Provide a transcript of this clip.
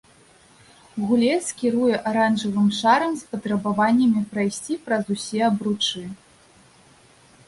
Гулец кіруе аранжавым шарам з патрабаваннямі прайсці праз усе абручы.